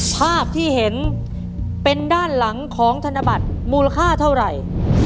ภาพที่เห็นเป็นด้านหลังของธนบัตรมูลค่าเท่าไหร่